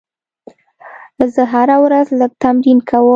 زه هره ورځ لږ تمرین کوم.